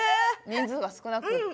人数が少なくって。